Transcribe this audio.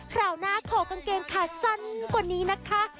คราวหน้าขอกางเกงขาสั้นกว่านี้นะคะ